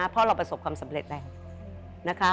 เพราะเราประสบความสำเร็จแล้วนะคะ